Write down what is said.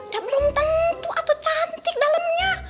ya belum tentu atuh cantik dalemnya